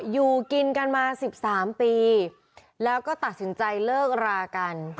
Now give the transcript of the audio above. อยู่กินกันมา๑๓ปีแล้วก็ตัดสินใจเลิกรากัน